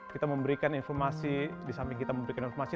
kita memberikan informasi di samping kita memberikan informasi